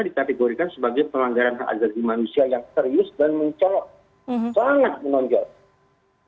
ditergorikan sebagai pelanggaran agama manusia yang serius dan mencolot sangat menonjol